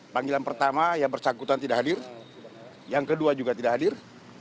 panggilan pertama yang bersangkutan tidak hadir yang kedua juga tidak hadir